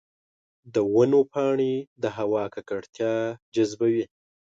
د ونو پاڼې د هوا ککړتیا جذبوي.